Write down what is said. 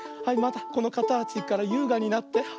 はいまたこのかたちからゆうがになって。